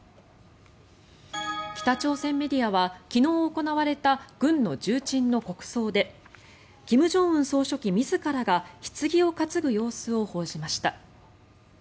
北朝鮮メディアは昨日行われた軍の重鎮の国葬で金正恩総書記自らがひつぎを担ぐ様子を報じました。